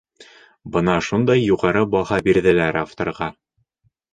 Бына шундай юғары баһа бирҙеләр авторға.